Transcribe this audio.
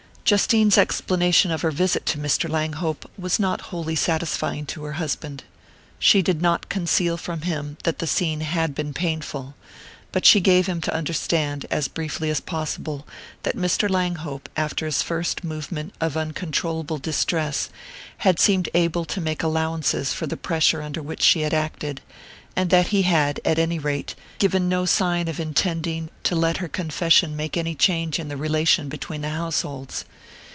Justine's explanation of her visit to Mr. Langhope was not wholly satisfying to her husband. She did not conceal from him that the scene had been painful, but she gave him to understand, as briefly as possible, that Mr. Langhope, after his first movement of uncontrollable distress, had seemed able to make allowances for the pressure under which she had acted, and that he had, at any rate, given no sign of intending to let her confession make any change in the relation between the households.